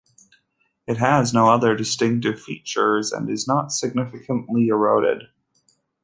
It has no other distinctive features, and is not significantly eroded.